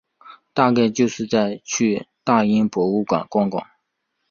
大概就是再去大英博物馆晃晃